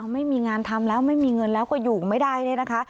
ไม่มีงานทำแล้วไม่มีเงินแล้วก็อยู่ไม่ได้เนี่ยนะคะ